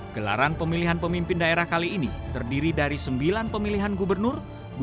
gelaran pemilihan pemimpin daerah kali ini terdiri dari sembilan pemilihan gubernur dua ribu